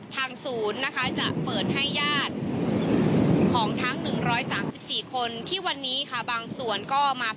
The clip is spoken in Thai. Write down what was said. ทางศูนย์จะเปิดให้ยาดของทั้ง๑๓๔คนที่วันนี้บางส่วนมาพักอาศัยที่อเมิกสัตวีหีพ